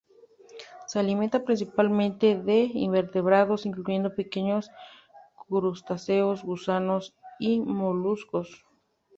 Se alimenta principalmente de invertebrados incluyendo pequeños crustáceos, gusanos y moluscos.